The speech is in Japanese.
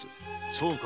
そうか。